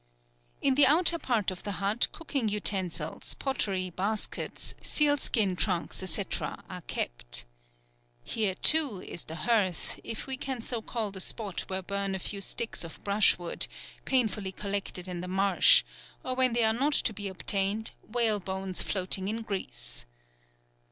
In the outer part of the hut cooking utensils, pottery, baskets, seal skin trunks, &c., are kept. Here too is the hearth, if we can so call the spot where burn a few sticks of brushwood, painfully collected in the marsh, or when they are not to be obtained, whale bones floating in grease.